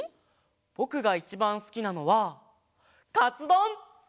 ぼくがいちばんすきなのはカツどん！